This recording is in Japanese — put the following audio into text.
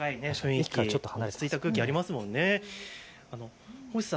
温かい落ち着いた空気ありますもんね。